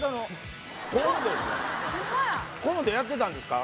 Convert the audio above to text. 河本やってたんですか？